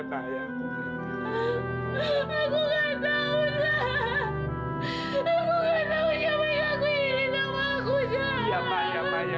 sampai jumpa di video selanjutnya